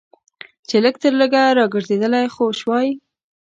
چې لږ تر لږه راګرځېدلی خو شوای.